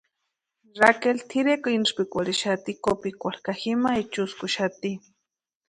Raqueli tʼirekwa intsïpikwarhixati kopikwarhu ka jima echuskuxati.